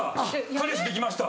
「彼氏できました」